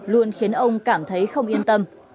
luôn khiến ông cảm thấy không yên tâm